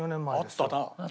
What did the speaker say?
あったな。